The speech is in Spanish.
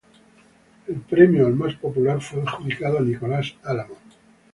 El premio al más popular fue adjudicado a Nicolás Álamo.